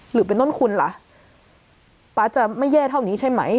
หรือเป็นต้นคุณล่ะป๊าจะไม่แย่เท่านี้ใช่ไหม